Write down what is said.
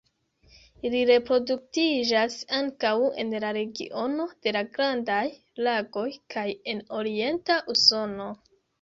Ili reproduktiĝas ankaŭ en la regiono de la Grandaj Lagoj kaj en orienta Usono.